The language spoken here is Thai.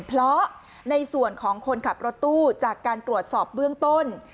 เพราะในส่วนของคนขับรถตู้จากการตรวจสอบเบื้องต้น